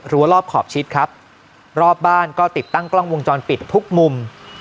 รอบขอบชิดครับรอบบ้านก็ติดตั้งกล้องวงจรปิดทุกมุม